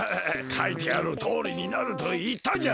かいてあるとおりになるといったじゃろう。